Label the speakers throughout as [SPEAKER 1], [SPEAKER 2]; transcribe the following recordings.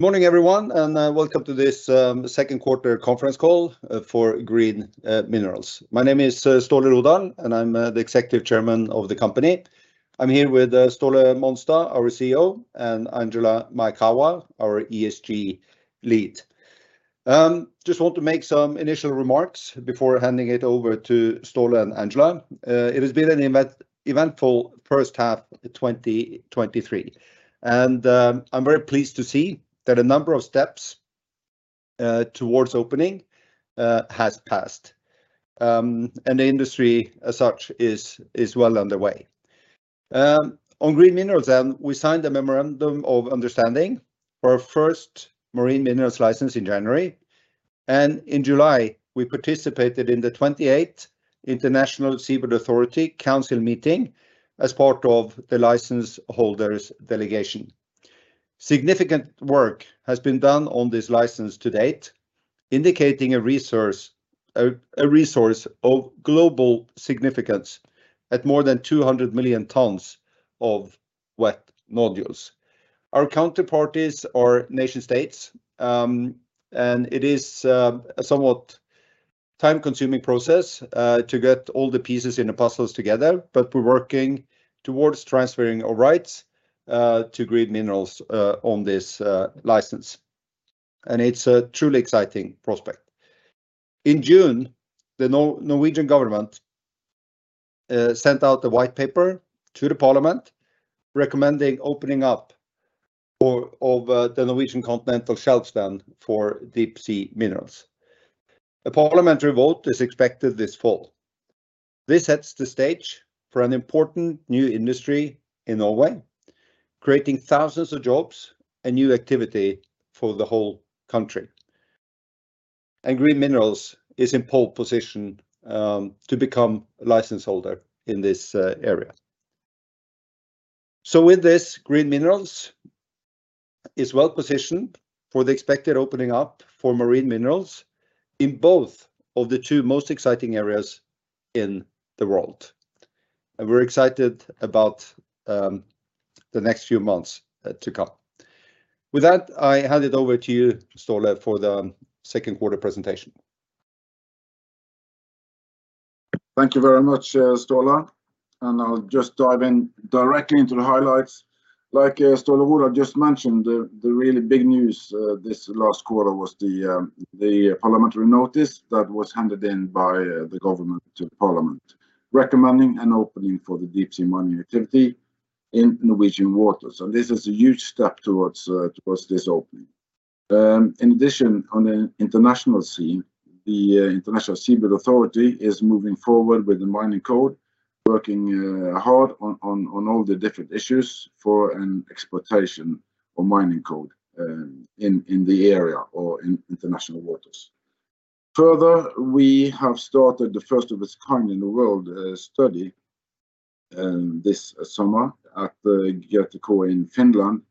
[SPEAKER 1] Morning, everyone, welcome to this second quarter conference call for Green Minerals. My name is Ståle Rodahl, and I'm the Executive Chairman of the company. I'm here with Ståle Monstad, our CEO, and Angela Mehech, our ESG lead. Just want to make some initial remarks before handing it over to Ståle and Angela. It has been an eventful first half, 2023, and I'm very pleased to see that a number of steps towards opening has passed. The industry, as such, is well underway. On Green Minerals, we signed a memorandum of understanding for our first marine minerals license in January, and in July, we participated in the 28th International Seabed Authority Council meeting as part of the license holders' delegation. Significant work has been done on this license-to-date, indicating a resource, a resource of global significance at more than 200 million tons of wet nodules. Our counterparties are nation-states, it is a somewhat time-consuming process to get all the pieces in the puzzles together, but we're working towards transferring our rights to Green Minerals on this license, and it's a truly exciting prospect. In June, the Norwegian government sent out the white paper to the parliament, recommending opening up for the Norwegian continental shelf for deep-sea minerals. A parliamentary vote is expected this fall. This sets the stage for an important new industry in Norway, creating thousands of jobs and new activity for the whole country, Green Minerals is in pole position to become a license holder in this area. With this, Green Minerals is well positioned for the expected opening up for marine minerals in both of the two most exciting areas in the world. We're excited about the next few months to come. With that, I hand it over to you, Ståle, for the second quarter presentation.
[SPEAKER 2] Thank you very much, Ståle, and I'll just dive in directly into the highlights. Like, Ståle Rodahl just mentioned, the, the really big news, this last quarter was the, the parliamentary notice that was handed in by, the government to parliament, recommending an opening for the deep-sea mining activity in Norwegian waters. This is a huge step towards this opening. In addition, on the international scene, the, International Seabed Authority is moving forward with the Mining Code, working hard on all the different issues for an exploitation of Mining Code, in, in the area or in international waters. Further, we have started the first of its kind in the world, study, this summer at the GTK in Finland,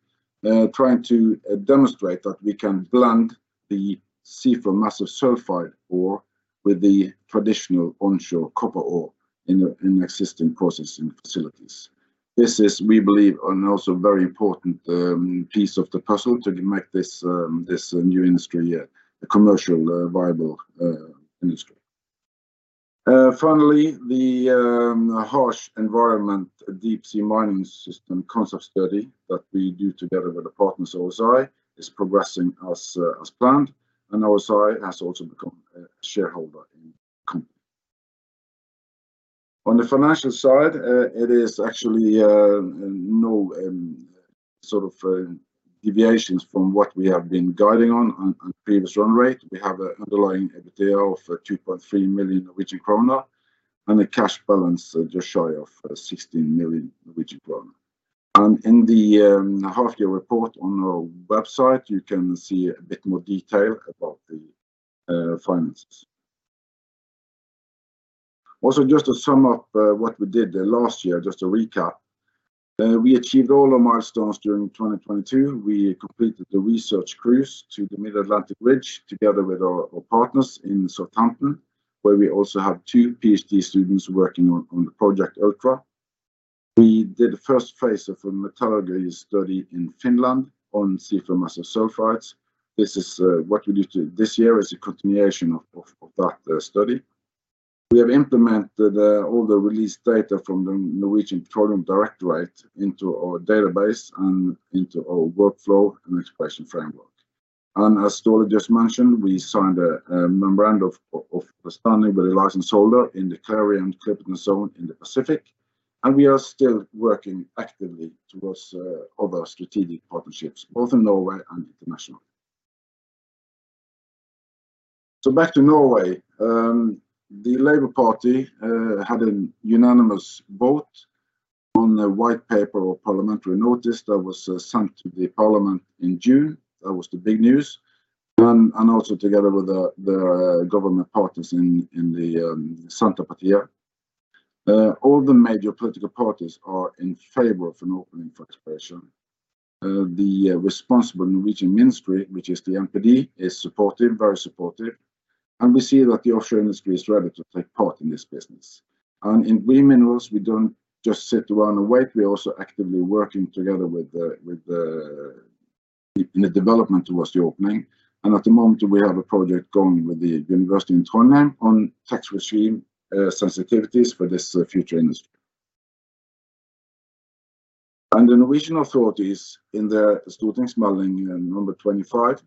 [SPEAKER 2] trying to demonstrate that we can blend the seafloor massive sulfide ore with the traditional onshore copper ore in existing processing facilities. This is, we believe, an also very important piece of the puzzle to make this new industry a commercial, viable industry. Finally, the harsh environment deep-sea mining system concept study that we do together with the partners OSI is progressing as planned, and OSI has also become a shareholder in the company. On the financial side, it is actually no sort of deviations from what we have been guiding on previous run rate. We have a underlying EBITDA of 2.3 million Norwegian kroner, and a cash balance just shy of 16 million Norwegian kroner. In the half-year report on our website, you can see a bit more detail about the finances. Just to sum up, what we did there last year, just to recap, we achieved all our milestones during 2022. We completed the research cruise to the Mid-Atlantic Ridge, together with our, our partners in Southampton, where we also have two PhD students working on the project, Ultra. We did the first phase of a metallurgy study in Finland on seafloor massive sulfides. This is what we do to this year is a continuation of that study. We have implemented all the released data from the Norwegian Petroleum Directorate into our database and into our workflow and exploration framework. As Ståle just mentioned, we signed a memorandum of, of understanding with the license holder in the Clarion-Clipperton Zone in the Pacific, and we are still working actively towards other strategic partnerships, both in Norway and internationally. Back to Norway. The Labour Party had a unanimous vote on the white paper or parliamentary notice that was sent to the parliament in June. That was the big news. Also together with the, the government partners in, in the Centre Party, all the major political parties are in favor of an opening for exploration. The responsible Norwegian ministry, which is the MPD, is supportive, very supportive. We see that the offshore industry is ready to take part in this business. In Green Minerals, we don't just sit around and wait, we're also actively working together with the in the development towards the opening. At the moment, we have a project going with the University in Trondheim on tax regime sensitivities for this future industry. The Norwegian authorities in their Meld. St. 25,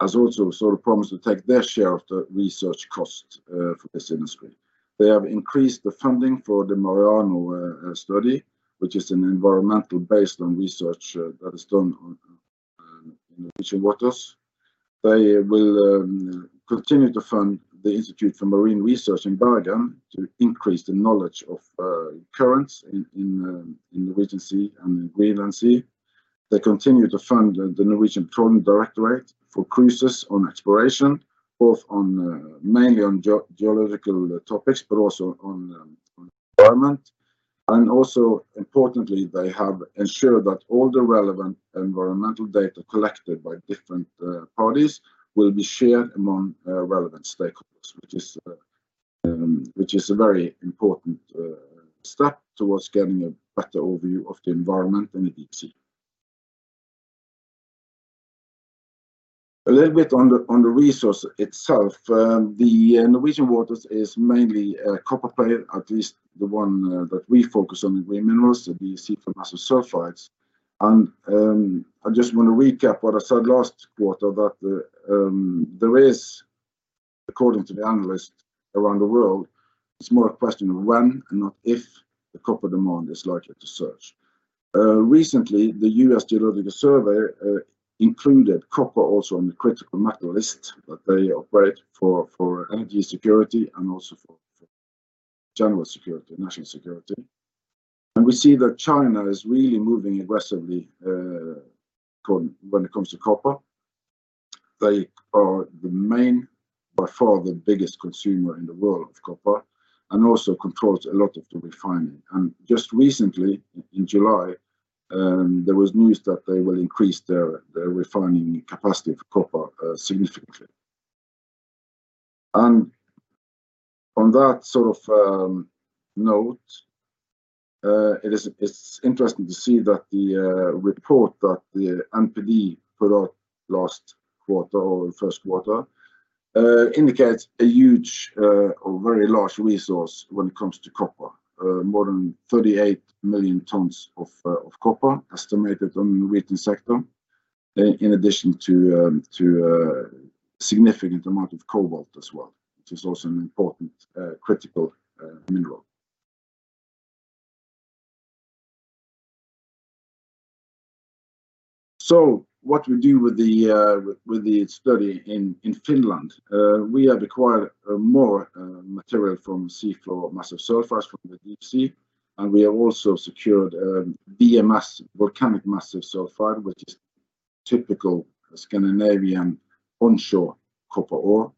[SPEAKER 2] has also sort of promised to take their share of the research cost for this industry. They have increased the funding for the MAREANO study, which is an environmental based on research that is done on in the Norwegian waters. They will continue to fund the Institute of Marine Research in Bergen to increase the knowledge of currents in the Norwegian Sea and the Greenland Sea. They continue to fund the Norwegian Trondheim Directorate for cruises on exploration, both on mainly on geological topics, but also on environment. Also importantly, they have ensured that all the relevant environmental data collected by different parties will be shared among relevant stakeholders, which is a very important step towards getting a better overview of the environment in the deep sea. A little bit on the resource itself. The Norwegian waters is mainly copper plate, at least the one that we focus on in Green Minerals, the seafloor massive sulfides. I just want to recap what I said last quarter, that there is, according to the analysts around the world, it's more a question of when and not if the copper demand is likely to surge. Recently, the United States Geological Survey included copper also on the critical metal list, that they operate for, for energy security and also for, for general security, national security. We see that China is really moving aggressively when it comes to copper. They are the main, by far the biggest consumer in the world of copper, and also controls a lot of the refining. Just recently, in July, there was news that they will increase their, their refining capacity of copper significantly. On that sort of note, it's interesting to see that the report that the NPD put out last quarter or first quarter indicates a huge or very large resource when it comes to copper. More than 38 million tons of copper estimated on the Norwegian sector, in addition to a significant amount of cobalt as well, which is also an important critical mineral. What we do with the study in Finland? We have acquired more material from seafloor massive sulfides from the deep sea, and we have also secured VMS, volcanic massive sulfide, which is typical Scandinavian onshore copper ore.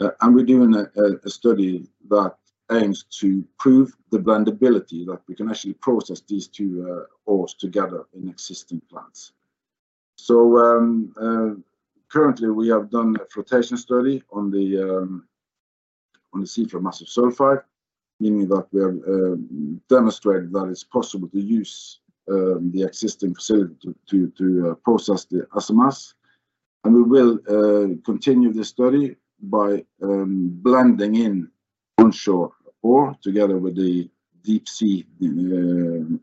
[SPEAKER 2] We're doing a study that aims to prove the blendability, that we can actually process these two ores together in existing plants. Currently, we have done a flotation study on the seafloor massive sulfide, meaning that we have demonstrated that it's possible to use the existing facility to process the SMS. We will continue the study by blending in onshore ore together with the deep sea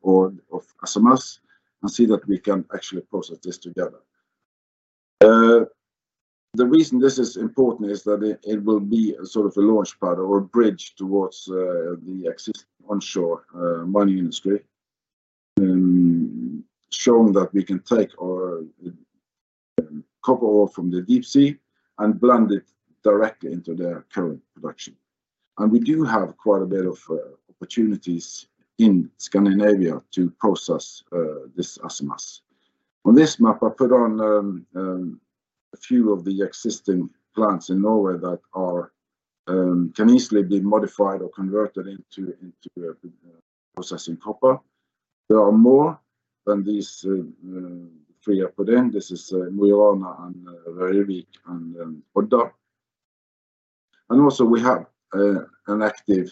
[SPEAKER 2] ore of SMS, and see that we can actually process this together. The reason this is important is that it, it will be a sort of a launchpad or a bridge towards the existing onshore mining industry. Showing that we can take our copper ore from the deep sea and blend it directly into their current production. We do have quite a bit of opportunities in Scandinavia to process this SMS. On this map, I put on a few of the existing plants in Norway that are can easily be modified or converted into, into processing copper. There are more than these three I put in. This is Mo i Rana and Røyrvik and Odda. Also, we have an active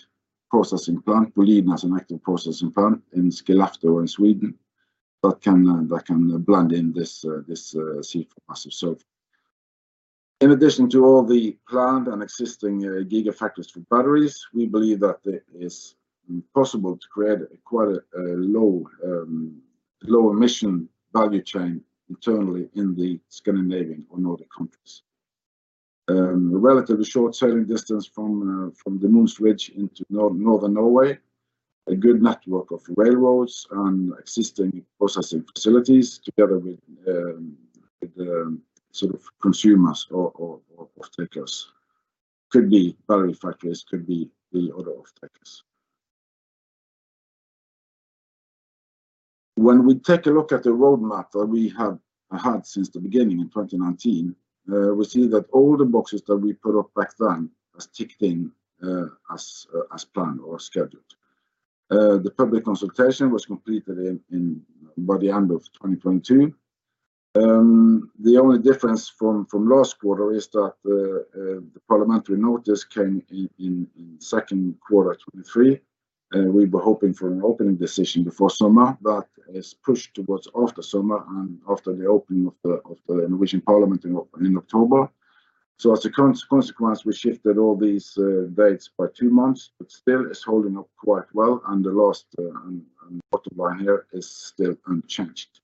[SPEAKER 2] processing plant. Boliden has an active processing plant in Skellefteå in Sweden, that can that can blend in this this seafloor massive sulfide. In addition to all the plant and existing gigafactories for batteries, we believe that it is possible to create quite a, a low, low emission value chain internally in the Scandinavian or Nordic countries. Relatively short sailing distance from from the Mohns Ridge into Northern Norway, a good network of railroads and existing processing facilities together with with sort of consumers or, or, or off-takers. Could be battery factories, could be the other off-takers. When we take a look at the roadmap that we have had since the beginning in 2019, we see that all the boxes that we put up back then has ticked in as planned or scheduled. The public consultation was completed by the end of 2020. The only difference from last quarter is that the parliamentary notice came in second quarter 2023, and we were hoping for an opening decision before summer, but it's pushed towards after summer and after the opening of the Norwegian Parliament in October. As a consequence, we shifted all these dates by two months, but still it's holding up quite well, and the last bottom line here is still unchanged.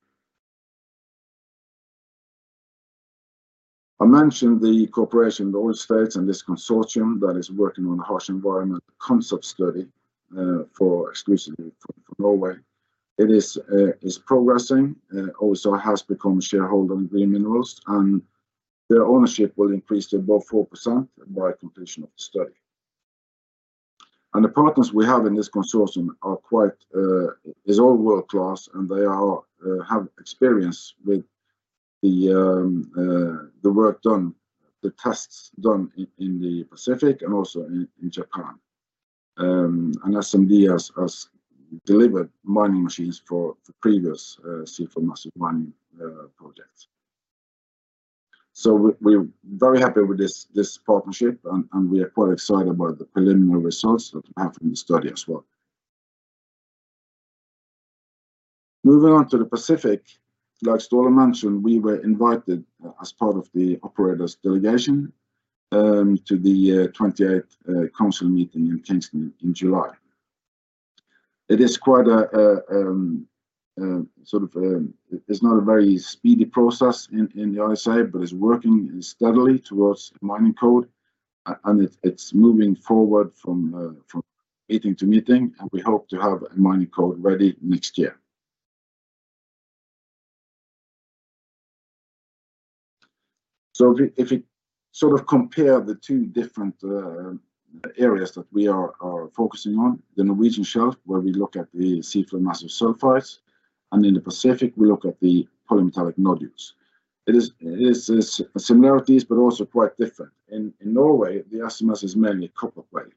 [SPEAKER 2] I mentioned the cooperation with the Oil States and this consortium that is working on a harsh environment concept study, for exclusively for, for Norway. It is, is progressing, also has become a shareholder in Green Minerals, and their ownership will increase to above 4% by completion of the study. The partners we have in this consortium are quite, is all world-class, and they are, have experience with the, the work done, the tests done in, in the Pacific and also in, in Japan. SMD has, has delivered mining machines for the previous, seafloor massive mining, projects. We, we're very happy with this, this partnership, and, and we are quite excited about the preliminary results that we have from the study as well. Moving on to the Pacific, like Ståle mentioned, we were invited as part of the operators delegation, to the 28th council meeting in Kingston in July. It is quite a, a sort of, it's not a very speedy process in the ISA, but it's working steadily towards a Mining Code, and it's, it's moving forward from meeting to meeting, and we hope to have a Mining Code ready next year. If we, if we sort of compare the two different areas that we are, are focusing on, the Norwegian Shelf, where we look at the seafloor massive sulfides, and in the Pacific, we look at the polymetallic nodules. It is, it is similarities, but also quite different. In Norway, the SMS is mainly a copper play,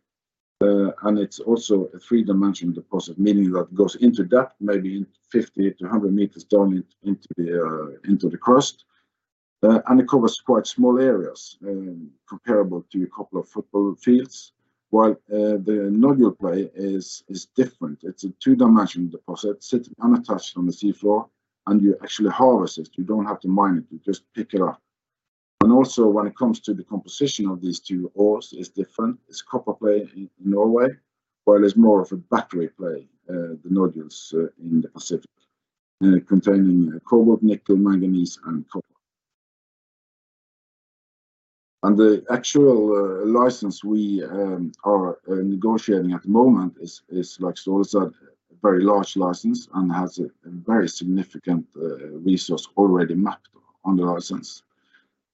[SPEAKER 2] and it's also a three-dimensional deposit, meaning that goes into depth, maybe 50 to 100 meters down into the crust, and it covers quite small areas, comparable to two football fields. While the nodule play is different. It's a two-dimensional deposit, sit unattached on the seafloor, and you actually harvest it. You don't have to mine it, you just pick it up. Also, when it comes to the composition of these two ores, it's different. It's copper play in Norway, while it's more of a battery play, the nodules, in the Pacific, containing cobalt, nickel, manganese, and copper. The actual license we are negotiating at the moment is, is like also a very large license and has a very significant resource already mapped on the license.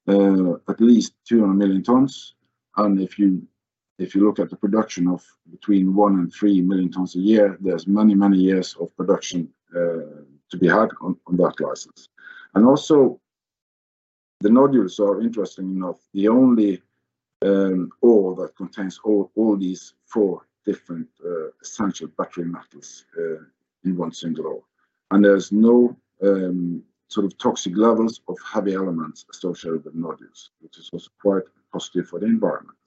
[SPEAKER 2] At least 200 million tons, and if you, if you look at the production of between one and three million tons a year, there's many, many years of production to be had on that license. Also, the nodules are interesting enough, the only ore that contains all these four different essential battery metals in one single ore. There's no sort of toxic levels of heavy elements associated with nodules, which is also quite positive for the environment.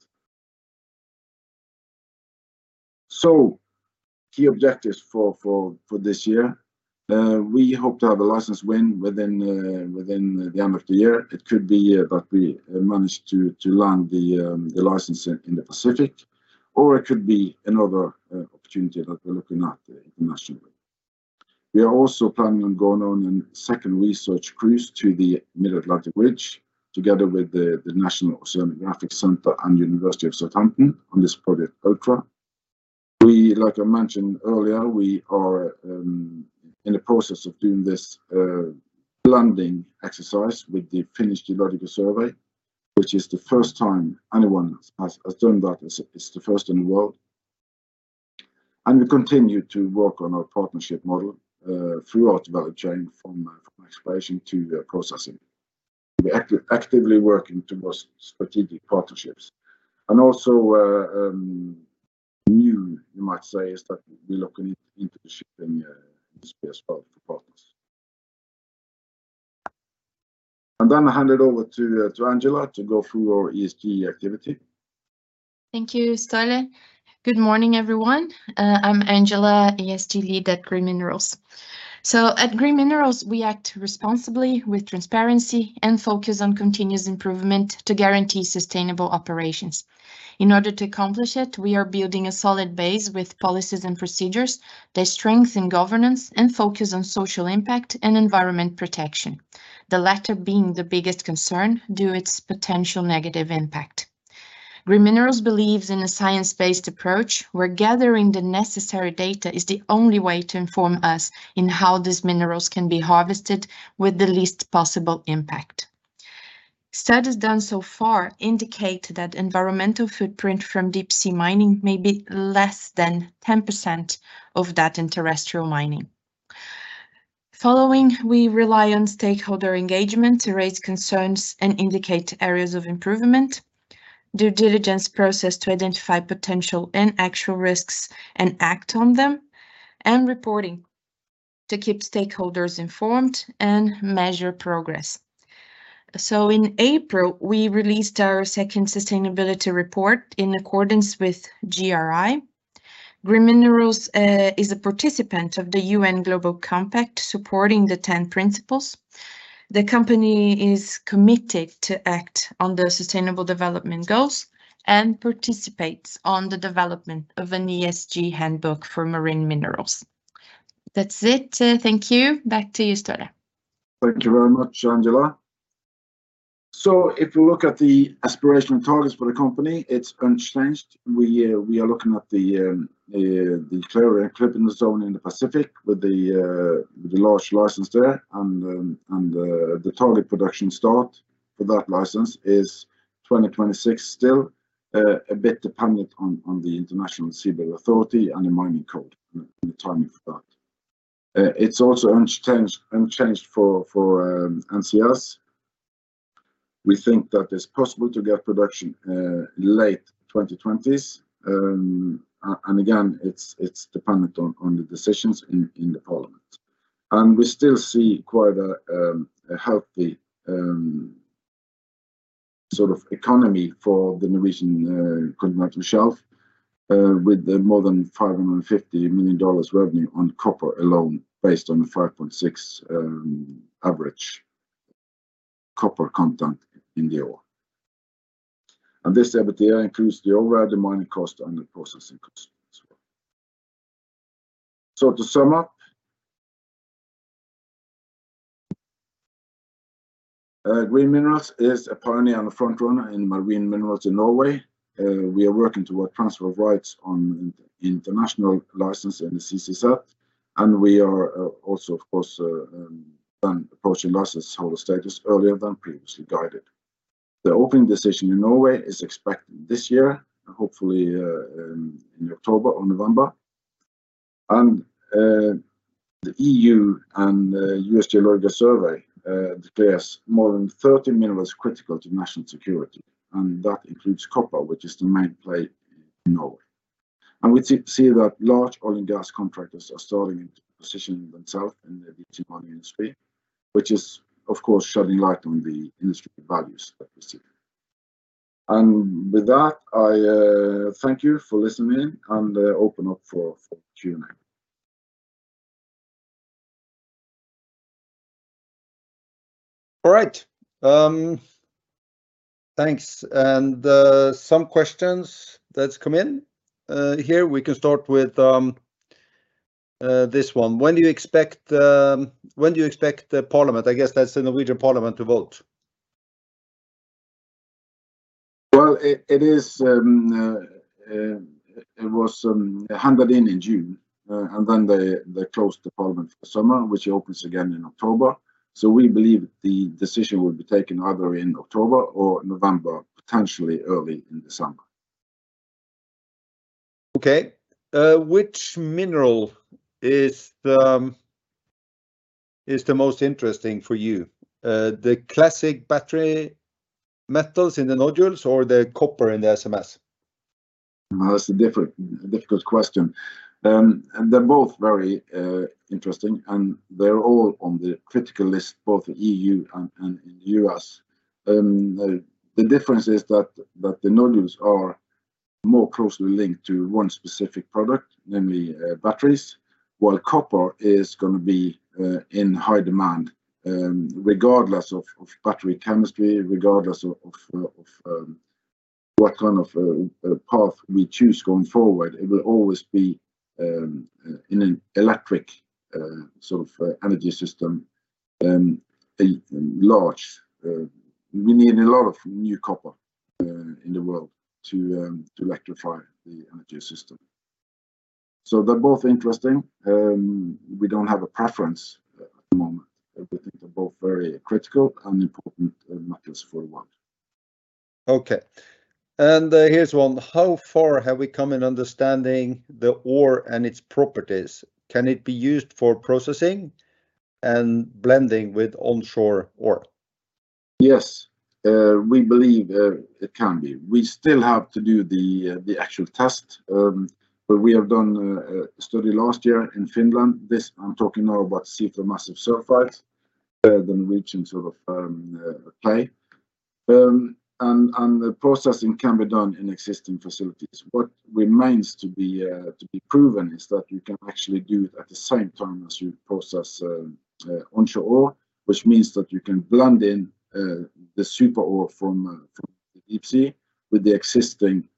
[SPEAKER 2] Key objectives for this year, we hope to have a license win within the end of the year. It could be that we manage to, to land the license in, in the Pacific, or it could be another opportunity that we're looking at internationally. We are also planning on going on a second research cruise to the Mid-Atlantic Ridge, together with the National Oceanography Centre and University of Southampton on this project, Ultra. We, like I mentioned earlier, we are in the process of doing this blending exercise with the Geological Survey of Finland, which is the first time anyone has, has done that. It's the first in the world. We continue to work on our partnership model throughout the value chain, from exploration to the processing. We're actively working towards strategic partnerships. Also, new, you might say, is that we're looking into the shipping space for, for partners. Then I hand it over to Angela to go through our ESG activity.
[SPEAKER 3] Thank you, Ståle. Good morning, everyone. I'm Angela, ESG Lead at Green Minerals. At Green Minerals, we act responsibly with transparency and focus on continuous improvement to guarantee sustainable operations. In order to accomplish it, we are building a solid base with policies and procedures, their strength in governance, and focus on social impact and environment protection. The latter being the biggest concern due its potential negative impact. Green Minerals believes in a science-based approach, where gathering the necessary data is the only way to inform us in how these minerals can be harvested with the least possible impact. Studies done so far indicate that environmental footprint from deep-sea mining may be less than 10% of that in terrestrial mining. Following, we rely on stakeholder engagement to raise concerns and indicate areas of improvement, due diligence process to identify potential and actual risks and act on them, and reporting to keep stakeholders informed and measure progress. In April, we released our second sustainability report in accordance with GRI. Green Minerals is a participant of the UN Global Compact, supporting the 10 principles. The company is committed to act on the Sustainable Development Goals and participates on the development of an ESG handbook for marine minerals. That's it. Thank you. Back to you, Ståle.
[SPEAKER 2] Thank you very much, Angela. If you look at the aspirational targets for the company, it's unchanged. We are looking at the Clarion-Clipperton Zone in the Pacific with the large license there, and the target production start for that license is 2026, still a bit dependent on the International Seabed Authority and the Mining Code and the timing for that. It's also unchanged, unchanged for NCS. We think that it's possible to get production late 2020s. Again, it's dependent on the decisions in the parliament. We still see quite a healthy sort of economy for the Norwegian continental shelf with more than $550 million revenue on copper alone, based on the 5.6 average copper content in the ore. This EBITDA includes the overhead mining cost and the processing cost as well. To sum up, Green Minerals is a pioneer and a front runner in marine minerals in Norway. We are working toward transfer of rights on international license and the CCS, and we are also, of course, approaching license holder status earlier than previously guided. The opening decision in Norway is expected this year, hopefully, in October or November. The E.U. and U.S. Geological Survey declares more than 30 minerals critical to national security, and that includes copper, which is the main play in Norway. We see, see that large oil and gas contractors are starting to position themselves in the deep sea mining industry, which is, of course, shedding light on the industry values that we see. With that, I thank you for listening and open up for Q&A.
[SPEAKER 1] All right. Thanks, and some questions that's come in. Here we can start with, this one: When do you expect, when do you expect the Parliament, I guess that's the Norwegian Parliament, to vote?
[SPEAKER 2] Well, it, it is, it was, handed in in June, and then they, they closed the parliament for summer, which opens again in October. We believe the decision will be taken either in October or November, potentially early in December.
[SPEAKER 1] Okay. Which mineral is the, is the most interesting for you? The classic battery metals in the nodules or the copper in the SMS?
[SPEAKER 2] Difficult question. They're both very interesting, and they're all on the critical list, both E.U. and in U.S. The difference is that the nodules are more closely linked to one specific product, namely, batteries, while copper is going to be in high demand, regardless of battery chemistry, regardless of what kind of path we choose going forward, it will always be in an electric sort of energy system, a large... We need a lot of new copper in the world to electrify the energy system. They're both interesting. We don't have a preference at the moment. We think they're both very critical and important metals for the world.
[SPEAKER 1] Okay, here's one: How far have we come in understanding the ore and its properties? Can it be used for processing and blending with onshore ore?
[SPEAKER 2] Yes, we believe it can be. We still have to do the actual test, but we have done a study last year in Finland. This, I'm talking now about massive sulfides, the Norwegian sort of play. The processing can be done in existing facilities. What remains to be proven is that you can actually do it at the same time as you process onshore ore, which means that you can blend in the super ore from the deep sea with the existing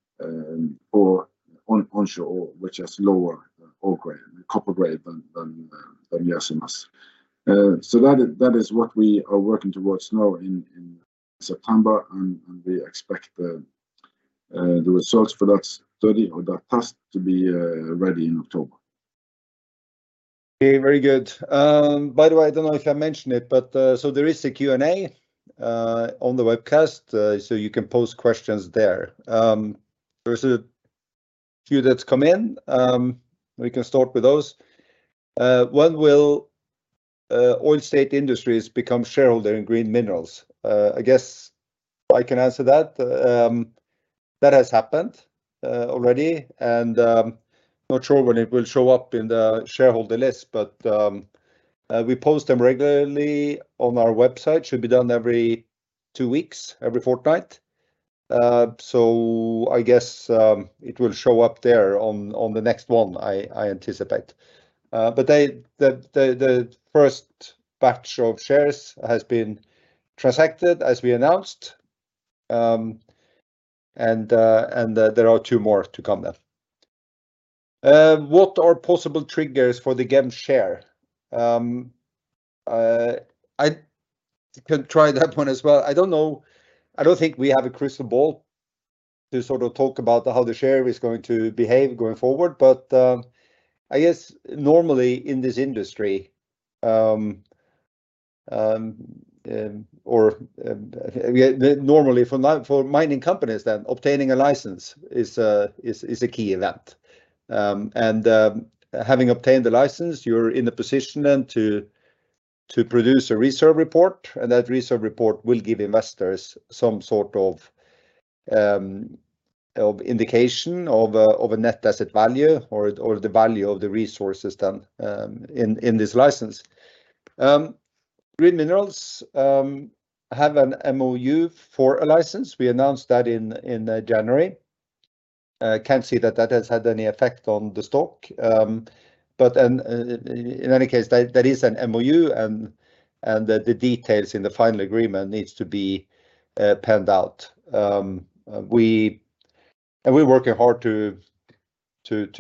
[SPEAKER 2] onshore ore, which has lower ore grade, copper grade than than the SMS. That is, that is what we are working towards now in, in September, and, and we expect the results for that study or that test to be ready in October.
[SPEAKER 1] Okay, very good. By the way, I don't know if I mentioned it, but there is a Q&A on the webcast, so you can pose questions there. There is a few that's come in, we can start with those. When will Oil States Industries become shareholder in Green Minerals? I guess I can answer that. That has happened already, and not sure when it will show up in the shareholder list, but we post them regularly on our website. Should be done every two weeks, every fortnight. I guess it will show up there on the next one, I anticipate. But the first batch of shares has been transacted as we announced, and there are two more to come then. What are possible triggers for the GEM share? I can try that one as well. I don't know. I don't think we have a crystal ball to sort of talk about how the share is going to behave going forward, but I guess normally in this industry, or yeah, normally for mining companies, then obtaining a license is a key event. Having obtained the license, you're in a position then to, to produce a reserve report, and that reserve report will give investors some sort of indication of a, of a net asset value or, or the value of the resource system in, in this license. Green Minerals have an MoU for a license. We announced that in January. Can't see that that has had any effect on the stock, but in any case, there, there is an MoU, and the details in the final agreement needs to be penned out. We're working hard to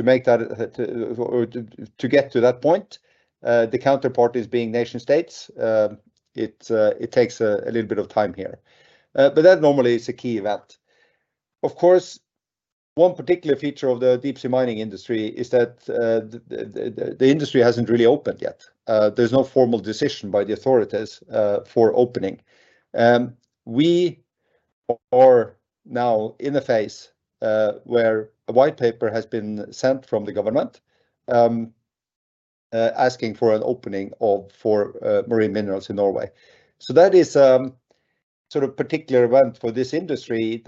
[SPEAKER 1] make that to get to that point. The counterparties being nation states, it takes a little bit of time here, but that normally is a key event. Of course, one particular feature of the deep sea mining industry is that the industry hasn't really opened yet. There's no formal decision by the authorities for opening. We are now in a phase where a white paper has been sent from the government asking for an opening of, for, marine minerals in Norway. That is sort of particular event for this industry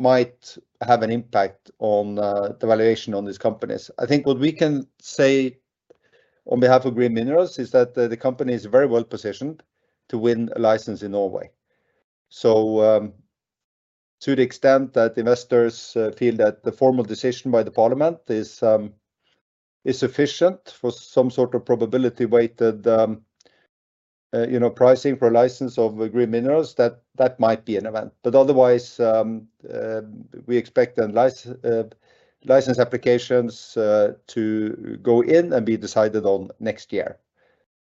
[SPEAKER 1] that might have an impact on the valuation on these companies. I think what we can say on behalf of Green Minerals is that the, the company is very well positioned to win a license in Norway. To the extent that investors feel that the formal decision by the Parliament is, is sufficient for some sort of probability weighted, you know, pricing for a license of Green Minerals, that, that might be an event. Otherwise, we expect the license applications to go in and be decided on next year.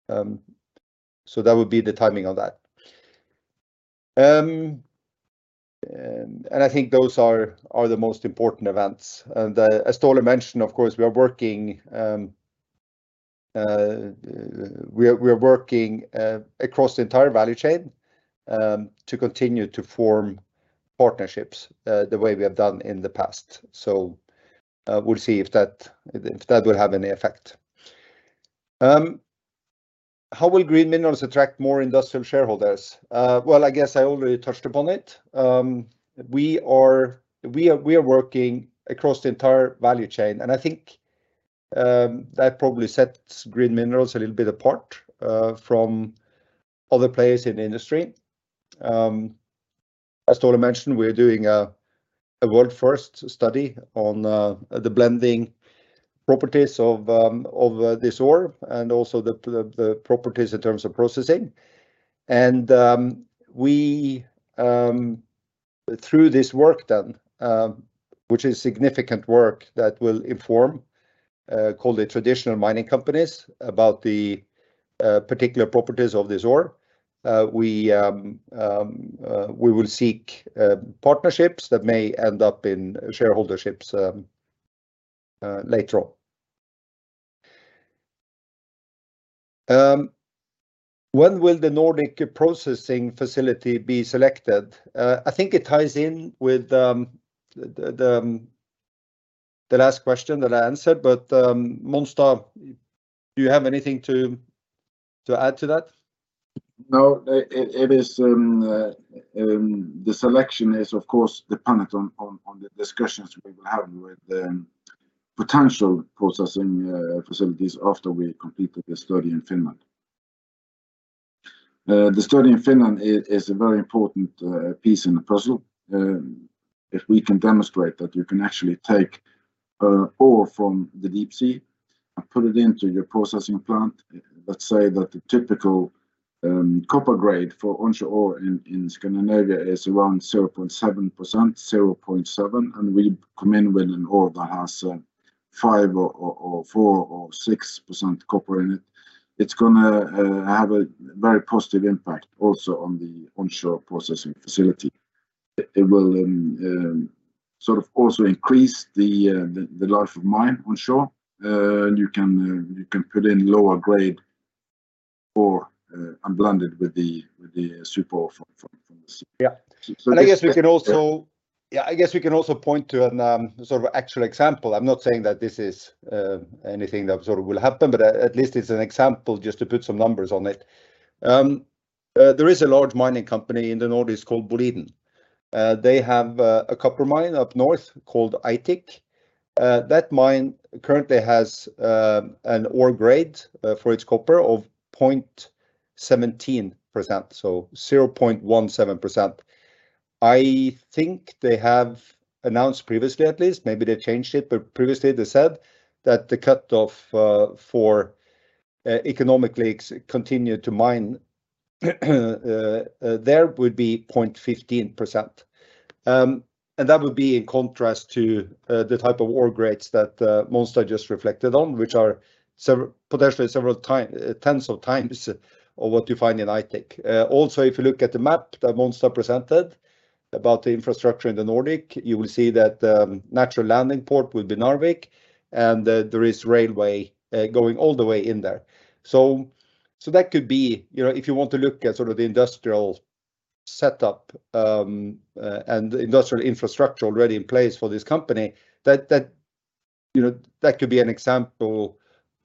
[SPEAKER 1] That would be the timing on that. And I think those are, are the most important events. As Ståle mentioned, of course, we are working, we are working across the entire value chain, to continue to form partnerships, the way we have done in the past. We'll see if that, if that will have any effect. How will Green Minerals attract more industrial shareholders? Well, I guess I already touched upon it. We are working across the entire value chain, and I think that probably sets Green Minerals a little bit apart from other players in the industry. As Ståle mentioned, we're doing a, a world-first study on the blending properties of this ore, and also the properties in terms of processing. We, through this work done, which is significant work that will inform, call the traditional mining companies about the particular properties of this ore, we will seek partnerships that may end up in shareholderships later on. When will the Nordic processing facility be selected? I think it ties in with the last question that I answered, but Monstad, do you have anything to add to that?
[SPEAKER 2] No, it, it, it is, the selection is of course dependent on, on, on the discussions we will have with the potential processing facilities after we completed the study in Finland. The study in Finland is a very important piece in the puzzle. If we can demonstrate that you can actually take ore from the deep sea and put it into your processing plant, let's say that the typical copper grade for onshore ore in Scandinavia is around 0.7%, 0.7%, and we come in with an ore that has 5% or 4% or 6% copper in it, it's gonna have a very positive impact also on the onshore processing facility. It will sort of also increase the, the, the life of mine onshore. You can, you can put in lower grade.... Or, and blended with the, with the super from, from, from the-
[SPEAKER 1] Yeah.
[SPEAKER 2] So-
[SPEAKER 1] I guess we can also-
[SPEAKER 2] Yeah.
[SPEAKER 1] Yeah, I guess we can also point to an sort of actual example. I'm not saying that this is anything that sort of will happen, but at least it's an example just to put some numbers on it. There is a large mining company in the Nordics called Boliden. They have a copper mine up north called Aitik. That mine currently has an ore grade for its copper of 0.17%, so 0.17%. I think they have announced previously, at least, maybe they changed it, but previously they said that the cutoff for economically ex- continue to mine there would be 0.15%. That would be in contrast to the type of ore grades that Monsta just reflected on, which are potentially tens of times of what you find in Aitik. Also, if you look at the map that Monstad presented about the infrastructure in the Nordic, you will see that natural landing port will be Narvik, and that there is railway going all the way in there. That could be, you know, if you want to look at sort of the industrial setup, and the industrial infrastructure already in place for this company, that, that, you know, that could be an example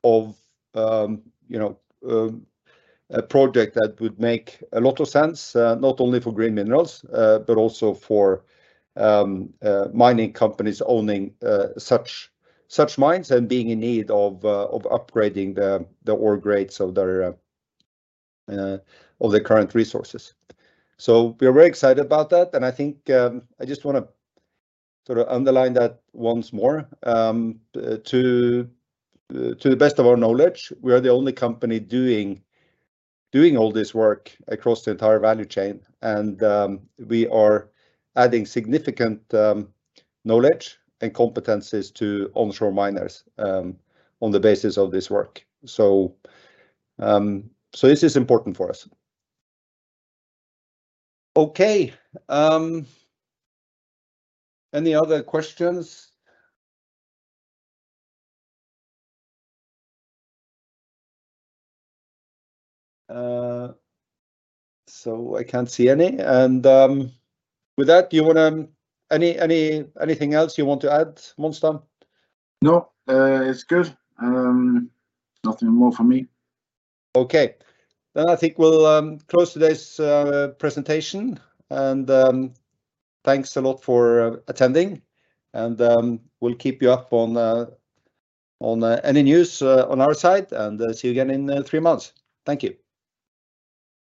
[SPEAKER 1] of, you know, a project that would make a lot of sense, not only for Green Minerals, but also for mining companies owning such, such mines and being in need of upgrading the ore grades of their current resources. We are very excited about that, and I think, I just wanna sort of underline that once more. To the best of our knowledge, we are the only company doing, doing all this work across the entire value chain, and we are adding significant knowledge and competencies to onshore miners on the basis of this work. This is important for us. Okay, any other questions? I can't see any. With that, do you wanna... Any, anything else you want to add, Monstad?
[SPEAKER 2] No, it's good. Nothing more from me.
[SPEAKER 1] Okay. I think we'll close today's presentation, and thanks a lot for attending and we'll keep you up on on any news on our side, and see you again in three months. Thank you.